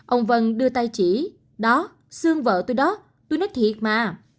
ông vân đưa tay chỉ đó xương vợ tôi đó tôi nói thiệt mà